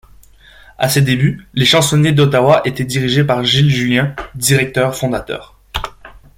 À ses débuts, Les Chansonniers d’Ottawa étaient dirigés par Gilles Julien, directeur fondateur.